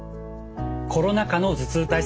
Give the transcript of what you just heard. コロナ禍の頭痛対策